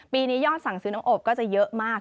ปีนี้ยอดสั่งซื้อน้องอบก็จะเยอะมาก